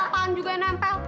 kamu tepangan juga yang nempel